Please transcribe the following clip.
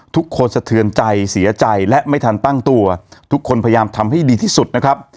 สะเทือนใจเสียใจและไม่ทันตั้งตัวทุกคนพยายามทำให้ดีที่สุดนะครับ